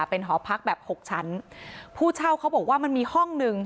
เป็นหอพักแบบหกชั้นผู้เช่าเขาบอกว่ามันมีห้องหนึ่ง